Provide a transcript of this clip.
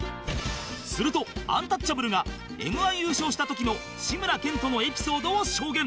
するとアンタッチャブルが Ｍ−１ 優勝した時の志村けんとのエピソードを証言